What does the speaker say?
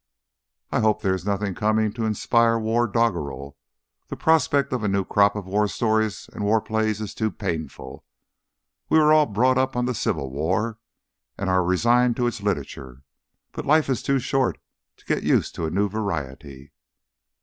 "I hope there is nothing coming to inspire war doggerel; the prospect of a new crop of war stories and war plays is too painful. We were all brought up on the Civil War and are resigned to its literature. But life is too short to get used to a new variety."